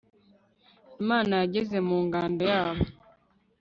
imana yageze mu ngando yabo